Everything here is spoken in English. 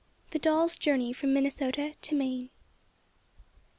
III. THE DOLLS' JOURNEY FROM MINNESOTA TO MAINE.